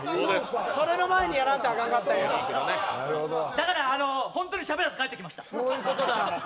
だから本当にしゃべらずに帰ってきました。